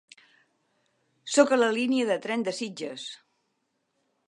Soc a la línia de tren de Sitges.